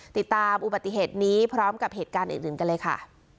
ติดตามอุบัติเหตุนี้พร้อมกับเหตุการณ์อื่นกันเลยค่ะ